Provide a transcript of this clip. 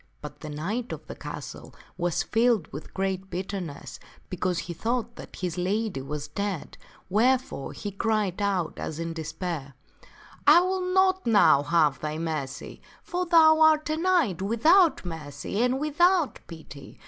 But the knight of the castle was filled with great bitterness, because he thought that his lady was dead, wherefore he cried out as in despair, " I will not now have thy mercy, for thou art a knight without mercy and without pity.